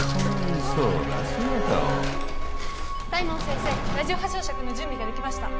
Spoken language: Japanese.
大門先生ラジオ波焼灼の準備が出来ました。